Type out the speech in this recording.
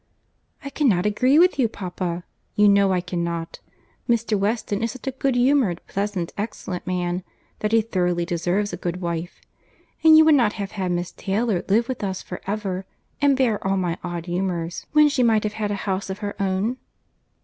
"I cannot agree with you, papa; you know I cannot. Mr. Weston is such a good humoured, pleasant, excellent man, that he thoroughly deserves a good wife;—and you would not have had Miss Taylor live with us for ever, and bear all my odd humours, when she might have a house of her own?"